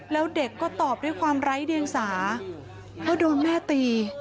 แล้วเด็กก็ตอบด้วยความไร้เดียงสาว่าโดนแม่ตี